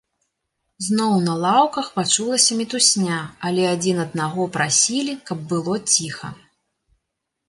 Зноў на лаўках пачулася мітусня, але адзін аднаго прасілі, каб было ціха.